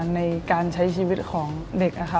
ในการใช้ชีวิตของเด็กนะคะ